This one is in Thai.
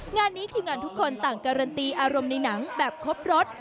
งานนี้ทีมงานทุกคนต่างการันตีอารมณ์ในหนังแบบครบรส